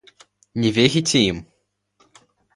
Не верите им?